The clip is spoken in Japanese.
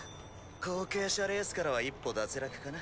後継者レースからは一歩脱落かな。